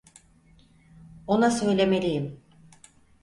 Ona söylemeliyim.